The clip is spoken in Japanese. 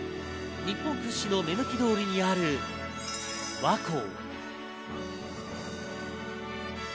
日本屈指の目抜き通りにある和光。